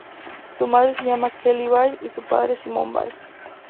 Su madre se llama Kelly Ball, y su padre Simon Ball.